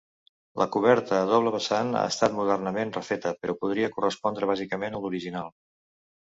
La coberta a doble vessant ha estat modernament refeta, però podria correspondre bàsicament a l'original.